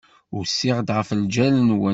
Usiɣ-d ɣef lǧal-nwent.